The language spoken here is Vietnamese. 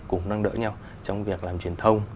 cùng nâng đỡ nhau trong việc làm truyền thông